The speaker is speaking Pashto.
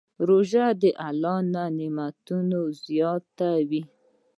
روژه د الله نعمتونه زیاتوي.